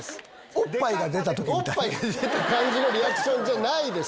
おっぱいが出た感じのリアクションじゃないです。